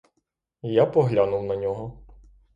Я поглянув на нього.